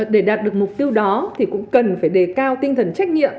để đạt được mục tiêu đó thì cũng cần phải đề cao tinh thần trách nhiệm